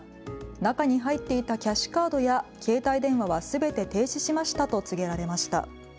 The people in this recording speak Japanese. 中に入っていたキャッシュカードや携帯電話はすべて停止しましたと告げられました。